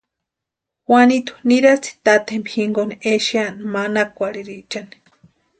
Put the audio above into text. Juanitu nirasti taatempa jinkuni exeani manakurhirichani.